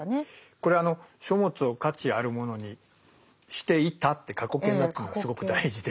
これあの「書物を価値あるものにしていた」って過去形になってるのがすごく大事で。